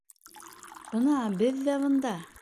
— Бына беҙ ҙә бында!